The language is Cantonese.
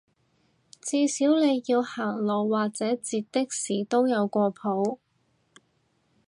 至少你要行路或者截的士都有個譜